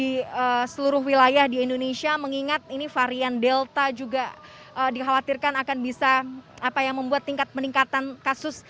di seluruh wilayah di indonesia mengingat ini varian delta juga dikhawatirkan akan bisa membuat tingkat peningkatan kasus